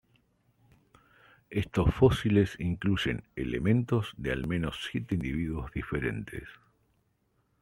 Estos fósiles incluyen elementos de al menos siete individuos diferentes.